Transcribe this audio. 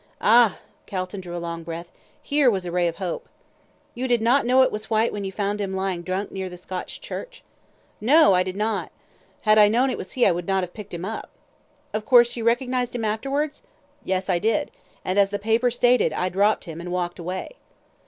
"Ah!" Calton drew a long breath here was a ray of hope. "You did not know it was Whyte when you found him lying drunk near the Scotch Church?" "No, I did not. Had I known it was he I would not have picked him up." "Of course, you recognised him afterwards?" "Yes I did. And, as the paper stated, I dropped him and walked away."